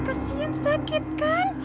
kasian sakit kan